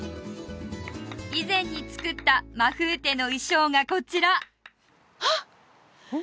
以前に作ったマフーテの衣装がこちらあっ！